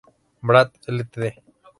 Bath Ltd.